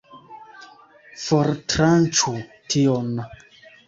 Fortranĉu tion!